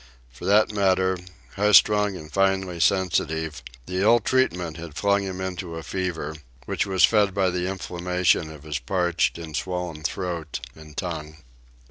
For that matter, high strung and finely sensitive, the ill treatment had flung him into a fever, which was fed by the inflammation of his parched and swollen throat and tongue.